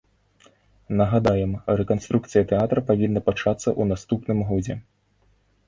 Нагадаем, рэканструкцыя тэатра павінна пачацца ў наступным годзе.